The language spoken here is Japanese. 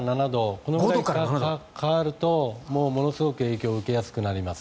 このぐらい変わるともう、ものすごく影響を受けやすくなります。